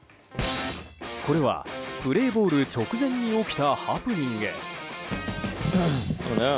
これはプレーボール直前に起きたハプニング。